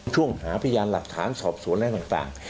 ช่วงหาพยานหลักฐานสอบสวนอะไรต่าง